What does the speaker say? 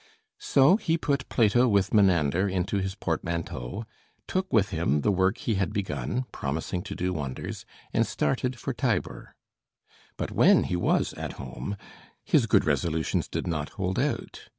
So he put Plato with Menander into his portmanteau, took with him the work he had begun, promising to do wonders, and started for Tibur. But when he was at home, his good resolutions did not hold out.